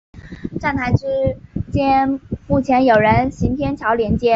站台之间目前有人行天桥连接。